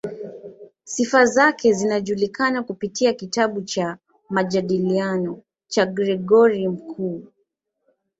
Sifa zake zinajulikana kupitia kitabu cha "Majadiliano" cha Gregori Mkuu.